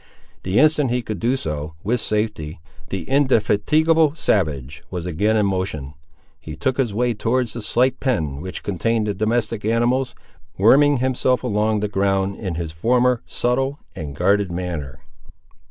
The instant he could do so with safety, the indefatigable savage was again in motion. He took his way towards the slight pen which contained the domestic animals, worming himself along the ground in his former subtle and guarded manner.